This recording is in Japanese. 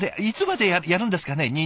いつまでやるんですかね？